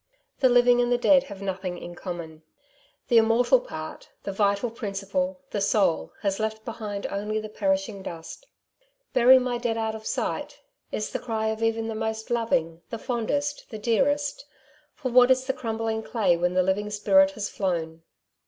The living and the dead have nothing in common. The immortal part, the vital principle, the soul, has left behind only the perishing dust. "Bury my dead out of my sight/^ is the cry of even the most loving, the fondest, the dearest ; for what is the crumbling clay when the living spirit has flown